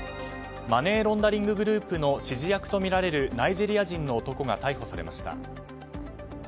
マネーロンダリンググループの指示役とみられるナイジェリア人の男が逮捕されました。